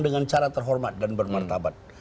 dengan cara terhormat dan bermartabat